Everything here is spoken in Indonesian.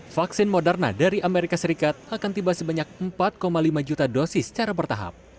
vaksin moderna dari amerika serikat akan tiba sebanyak empat lima juta dosis secara bertahap